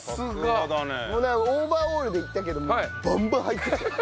オーバーオールで行ったけどもうバンバン入ってきた。